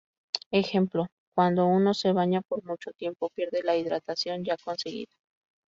Ejemplo: Cuando uno se baña por mucho tiempo pierde la hidratación ya conseguida.